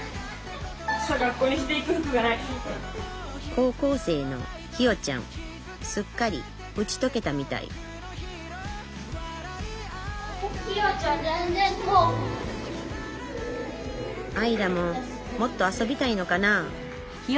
高校生の日葉ちゃんすっかりうちとけたみたい愛来ももっと遊びたいのかな？